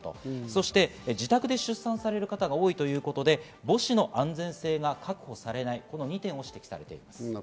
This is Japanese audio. そして自宅で出産される方が多いということで母子の安全性が確保されない、この２点を指摘されています。